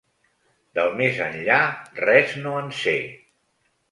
Del més enllà res no en sé.